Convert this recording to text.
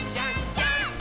ジャンプ！！